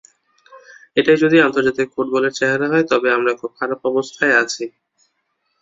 এটাই যদি আন্তর্জাতিক ফুটবলের চেহারা হয়, তবে আমরা খুব খারাপ অবস্থায় আছি।